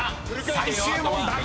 最終問題］